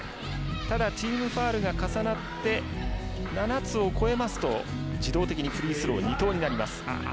ただ、チームファウルが重なって７つを超えますと、自動的にフリースロー２投になります。